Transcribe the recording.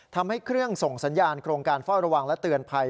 ทำให้เครื่องส่งสัญญาณโครงการเฝ้าระวังและเตือนภัย